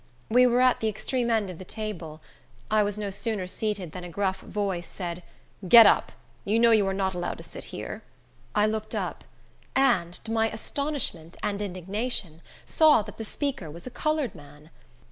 We were at the extreme end of the table. I was no sooner seated, than a gruff voice said, "Get up! You know you are not allowed to sit here." I looked up, and, to my astonishment and indignation, saw that the speaker was a colored man.